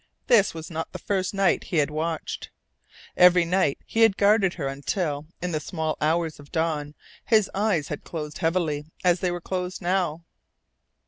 This was not the first night he had watched. Every night he had guarded her until, in the small hours of dawn, his eyes had closed heavily as they were closed now.